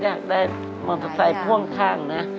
อยากได้มองใสภ่วงข้างนะ